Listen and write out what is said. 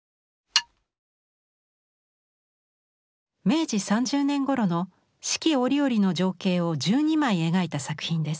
明治３０年頃の四季折々の情景を１２枚描いた作品です。